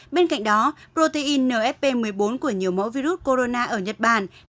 bên cạnh đó protein nfp một mươi bốn của nhiều mẫu virus corona ở nhật bản